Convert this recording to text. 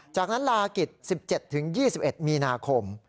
จากนั้นลากิจ๑๗๒๑มีนาคม